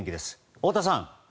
太田さん。